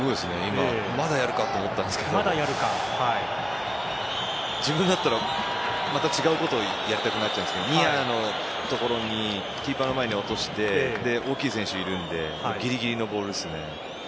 まだやるかと思ったんですが自分だったらまた違うことをやりたくなっちゃんですがニアのところにキーパーの前に落として大きい選手がいるのでぎりぎりのボールですね。